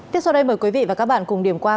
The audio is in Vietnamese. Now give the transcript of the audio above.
tiếp sau đây mời quý vị và các bạn cùng điểm qua